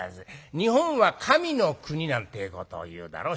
「日本は神の国なんてぇことを言うだろう？